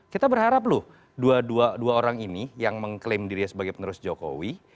kita berharap loh dua orang ini yang mengklaim dirinya sebagai penerus jokowi